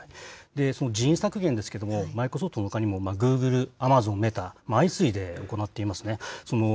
人員削減ですけれども、マイクロソフトのほかにもグーグル、アマゾン、メタ、相次いで行っていますね。